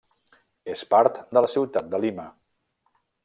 És part de ciutat de Lima.